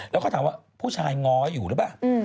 แล้วก็ถามว่าผู้ชายง้ออยู่หรือเปล่า